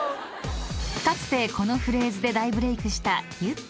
［かつてこのフレーズで大ブレークしたゆってぃ］